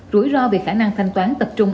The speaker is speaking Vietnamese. rủi ro về khả năng thanh toán tập trung